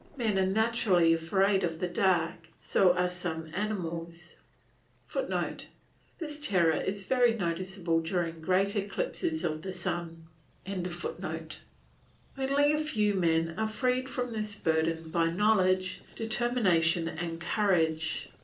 Men are naturally afraid of the dark; so are some animals. [Footnote: This terror is very noticeable during great eclipses of the sun.] Only a few men are freed from this burden by knowledge, determination, and courage.